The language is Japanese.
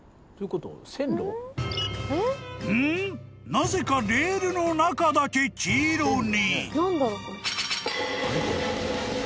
なぜかレールの中だけ黄色に］